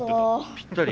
ぴったり。